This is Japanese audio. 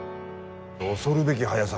恐るべき速さ。